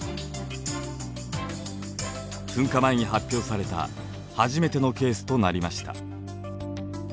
噴火前に発表された初めてのケースとなりました。